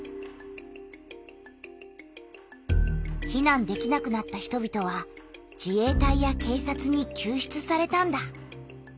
避難できなくなった人びとは自衛隊や警察にきゅう出されたんだ。